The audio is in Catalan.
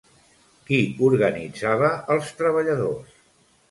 Qui organitzava als treballadors?